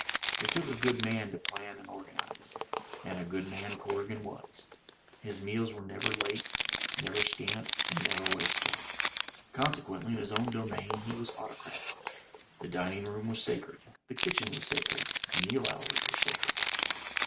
It took a good man to plan and organize; and a good man Corrigan was. His meals were never late, never scant, and never wasteful. Consequently, in his own domain he was autocrat. The dining room was sacred, the kitchen was sacred, meal hours were sacred.